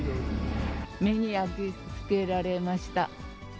目に焼き付けられました。